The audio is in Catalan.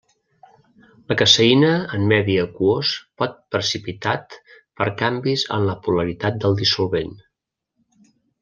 La caseïna en medi aquós pot precipitat per canvis en la polaritat del dissolvent.